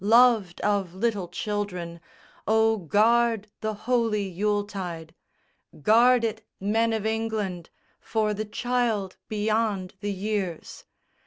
Loved of little children, oh guard the holy Yuletide. Guard it, men of England, for the child beyond the years.